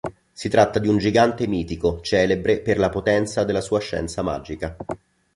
Si tratta di un gigante mitico, celebre per la potenza della sua scienza magica.